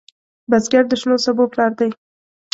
بزګر د شنو سبو پلار دی